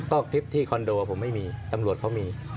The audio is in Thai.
ก็คลิปที่คอนโดผมไม่มีตำรวจเขามี